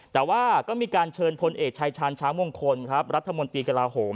แต่ว่าก็มีการเชิญพลเอกชายชาญช้างมงคลครับรัฐมนตรีกระลาโหม